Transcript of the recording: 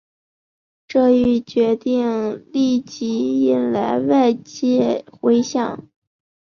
这一决定立即引来外界回响。